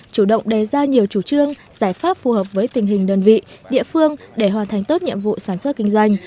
chủ động đề ra nhiều chủ trương giải pháp phù hợp với tình hình đơn vị địa phương để hoàn thành tốt nhiệm vụ sản xuất kinh doanh